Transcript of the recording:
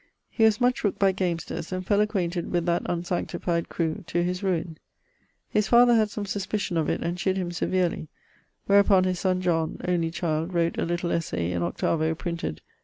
He was much rooked by gamesters, and fell acquainted with that unsanctified crew, to his ruine. His father had some suspition of it, and chid him severely, wherupon his son John (only child) wrot a little essay in 8vo, printed